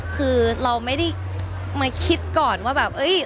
คือเราไม่ได้มาคิดก่อนว่าแบบ